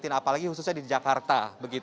apalagi khususnya di jakarta